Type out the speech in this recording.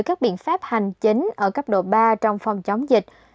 các biện pháp hành chính ở cấp độ ba trong phòng chống dịch